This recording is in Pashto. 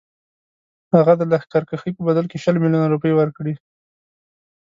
هغه د لښکرکښۍ په بدل کې شل میلیونه روپۍ ورکړي.